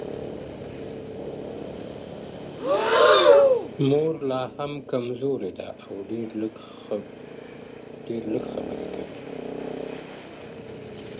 مور لا هم کمزورې ده او ډېر لږ خبري کوي